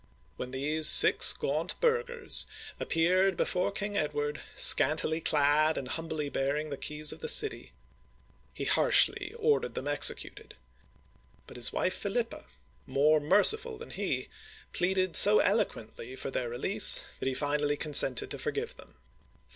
When these six gaunt burghers appeared before uigiTizea oy ^wHV/v^viC 152 OLD FRANCE King Edward, scantily clad and humbly bearing the keys of the city, he harshly ordered them executed ; but his wife Philippa, more merciful than he, pleaded so eloquently with him for their release, that he finally consented to forgive them (1347).